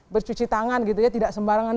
bercuci tangan gitu ya tidak sembarangan